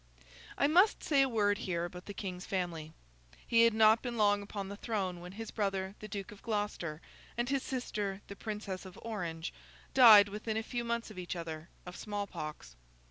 I must say a word here about the King's family. He had not been long upon the throne when his brother the Duke of Gloucester, and his sister the Princess of Orange, died within a few months of each other, of small pox.